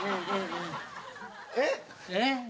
えっ？